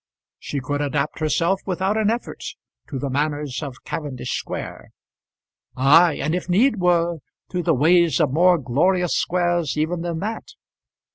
She could adapt herself without an effort to the manners of Cavendish Square; ay, and if need were, to the ways of more glorious squares even than that.